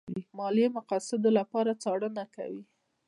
ماليې مقاصدو لپاره څارنه کوي.